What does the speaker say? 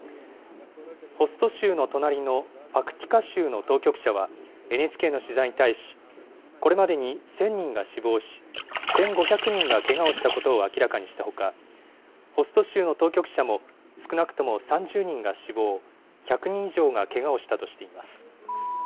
ホスト州の隣のパクティカ州の当局者は、ＮＨＫの取材に対し、これまでに１０００人が死亡し、１５００人がけがをしたことを明らかにしたほか、ホスト州の当局者も、少なくとも３０人が死亡、１００人以上がけがをしたとしています。